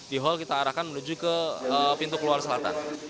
di hall kita arahkan menuju ke pintu keluar selatan